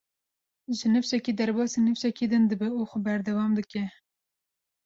Ji nifşekî derbasî nifşekî din dibe û xwe berdewam dike.